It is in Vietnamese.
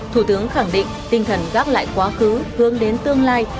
thủ tướng khẳng định tinh thần gác lại quá khứ hướng đến tương lai